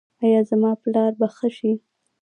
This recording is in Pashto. ایا زما پلار به ښه شي؟